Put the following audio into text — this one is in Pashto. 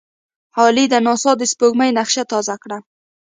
عالي ده! ناسا د سپوږمۍ نقشه تازه کړه.